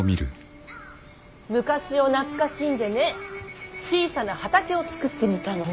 昔を懐かしんでね小さな畑を作ってみたの。